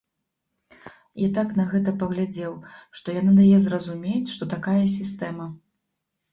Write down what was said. Я так на гэта паглядзеў, што яна дае зразумець, што такая сістэма.